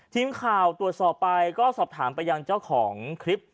ทีมข่าวตรวจสอบไปก็สอบถามไปยังเจ้าของคลิป